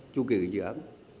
chu kỳ dự án